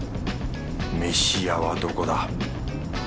飯屋はどこだ？